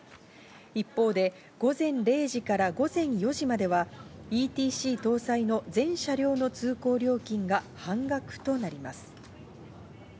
一方で、午前０時から午前４時まではＥＴＣ搭載の全車両の通行料金が半額となります。